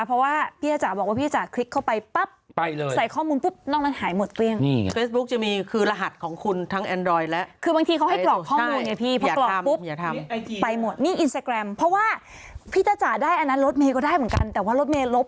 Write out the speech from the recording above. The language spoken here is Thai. เพราะว่าพี่ท่าจ๋าบอกว่าพี่ท่าจ๋าคลิกเข้าไปปั๊บ